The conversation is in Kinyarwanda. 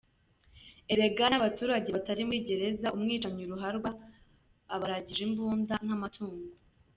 Erega n’abaturage batari muri gereza umwicanyi ruharwa abaragije imbunda nk’amatungo.